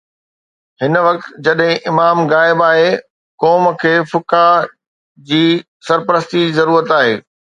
هن وقت جڏهن امام غائب آهن، قوم کي فقهاء جي سرپرستي جي ضرورت آهي.